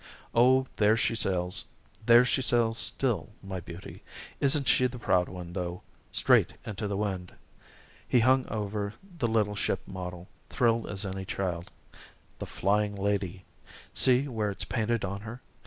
"Oh, there she sails there she sails still, my beauty. Isn't she the proud one though straight into the wind!" He hung over the little ship model, thrilled as any child. "The Flying Lady see where it's painted on her?